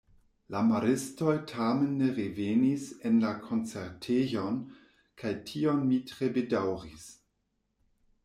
La maristoj tamen ne revenis en la koncertejon kaj tion mi tre bedaŭris.